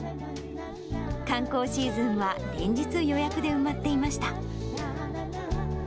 観光シーズンは連日予約で埋まっていました。